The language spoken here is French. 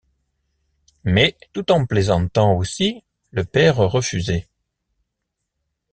Mais, tout en plaisantant aussi, le père refusait.